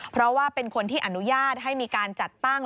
เพราะว่าเป็นคนที่อนุญาตให้มีการจัดตั้ง